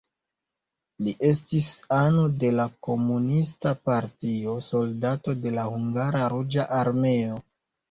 Li estis ano de la komunista partio, soldato de la hungara ruĝa armeo.